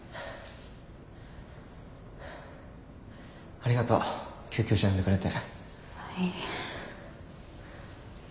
ありがとう救急車呼んでくれて。